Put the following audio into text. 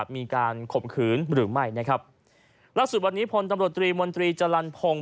มีการข่มขืนหรือไม่นะครับล่าสุดวันนี้พลตำรวจตรีมนตรีจรรพงศ์